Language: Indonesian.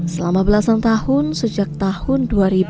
selama belasan tahun sejak tahun dua ribu